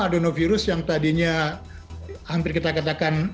adenovirus yang tadinya hampir kita katakan